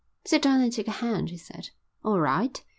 "Sit down and take a hand," he said. "All right."